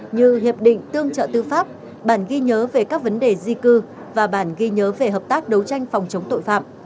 như hiệp định tương trợ tư pháp bản ghi nhớ về các vấn đề di cư và bản ghi nhớ về hợp tác đấu tranh phòng chống tội phạm